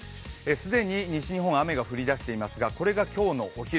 既に西日本、雨が降り出していますがこれが今日のお昼。